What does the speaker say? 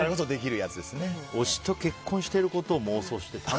推しと結婚してることを妄想して。